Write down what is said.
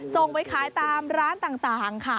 ส่งไปขายตามร้านต่างค่ะ